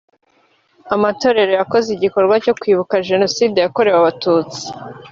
amatorero yakoze igikorwa cyo kwibuka jenoside yakorewe abatutsi